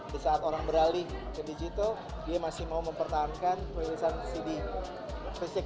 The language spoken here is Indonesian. di saat orang beralih ke digital dia masih mau mempertahankan peririsan cd fisik